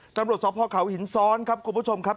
ตำรวจสอบพ่อเขาหินซ้อนครับกลุ่มผู้ชมครับ